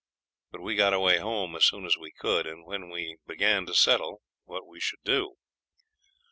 But we got away home as soon as we could, and then we began to settle what we should do.